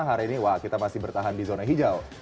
hari ini wah kita masih bertahan di zona hijau